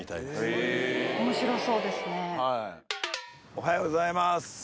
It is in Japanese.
おはようございます。